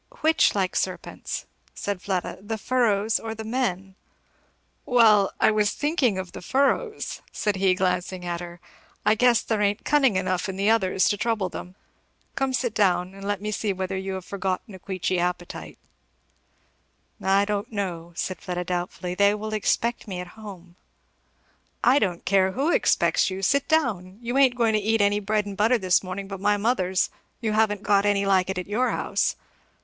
"Which like serpents," said Fleda, "the furrows or the men?" "Well, I was thinking of the furrows," said he glancing at her; "I guess there ain't cunning enough in the others to trouble them. Come sit down, and let me see whether you have forgotten a Queechy appetite." "I don't know," said Fleda doubtfully, "they will expect me at home." "I don't care who expects you sit down! you ain't going to eat any bread and butter this morning but my mother's you haven't got any like it at your house.